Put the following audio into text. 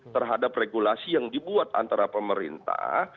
terhadap regulasi yang dibuat antara pemerintah